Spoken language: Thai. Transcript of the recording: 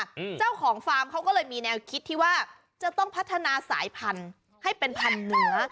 อืมเจ้าของฟาร์มเขาก็เลยมีแนวคิดที่ว่าจะต้องพัฒนาสายพันธุ์ให้เป็นพันธุ์เนื้อ